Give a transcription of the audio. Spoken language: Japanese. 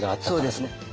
そうですね。